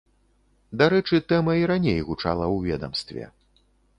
Дарэчы, тэма і раней гучала ў ведамстве.